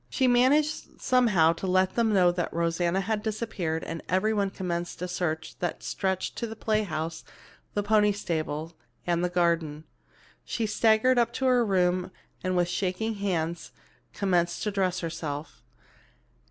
She managed somehow to let them know that Rosanna had disappeared, and everyone commenced a search that stretched to the playhouse, the pony stable and the garden. She staggered up to her room and with shaking hands commenced to dress herself.